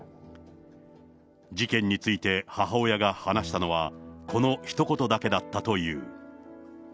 事件について母親が話したのは、このひと言だけだったという。